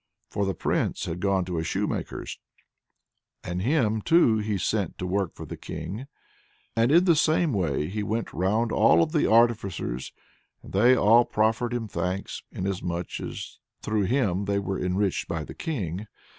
For the Prince had gone to a shoemaker's, and him too he sent to work for the King; and in the same way he went the round of all the artificers, and they all proffered him thanks, inasmuch as through him they were enriched by the King.